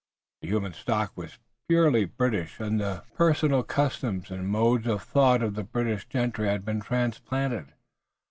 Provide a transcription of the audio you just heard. The human stock was purely British and the personal customs and modes of thought of the British gentry had been transplanted.